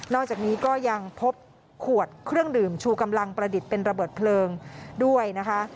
อกจากนี้ก็ยังพบขวดเครื่องดื่มชูกำลังประดิษฐ์เป็นระเบิดเพลิงด้วยนะคะ